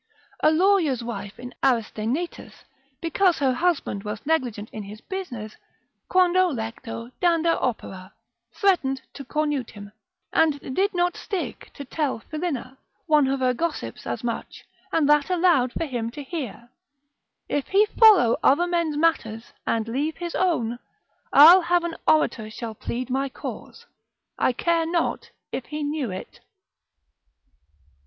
A lawyer's wife in Aristaenetus, because her husband was negligent in his business, quando lecto danda opera, threatened to cornute him: and did not stick to tell Philinna, one of her gossips, as much, and that aloud for him to hear: If he follow other men's matters and leave his own, I'll have an orator shall plead my cause, I care not if he know it.